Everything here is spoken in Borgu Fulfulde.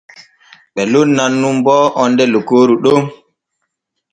Ɓe lonnan nun bo onde lokooru ɗon.